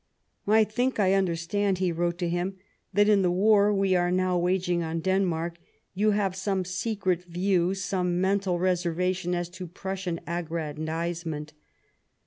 " I think I understand," he wrote to him, " that in the war v/e are now waging on Denmark you have some secret view, some mental reservation as to Prussian aggrandisement.